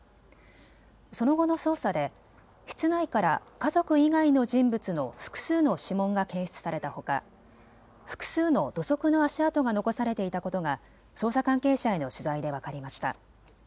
その後の捜査で、室内から家族以外の人物の複数の指紋が検出されたほか複数の土足の足跡が残されていたことが捜査関係者への取材で分かりました。